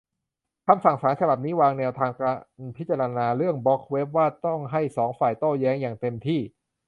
คำสั่งศาลฉบับนี้วางแนวทางการพิจารณาเรื่องบล็อกเว็บ ว่าต้องให้สองฝ่ายโต้แย้งอย่างเต็มที่